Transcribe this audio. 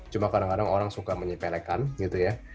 cuma kadang kadang orang suka menyepelekan gitu ya